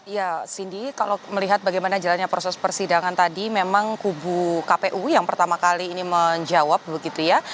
ya cindy kalau melihat bagaimana jalannya proses persidangan tadi memang kubu kpu yang pertama kali ini menjawab begitu ya